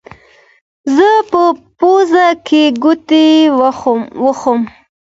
زه په پوزو کې ګوتې وهم.